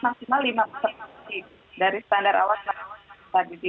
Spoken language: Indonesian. maksimal lima persen dari standar awal